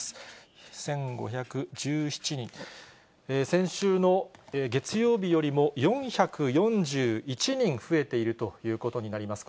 先週の月曜日よりも４４１人増えているということになります。